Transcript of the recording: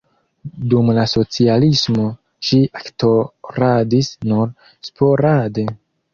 Dum la socialismo ŝi aktoradis nur sporade.